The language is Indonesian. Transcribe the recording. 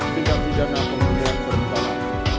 bidang bidana pemulihan benda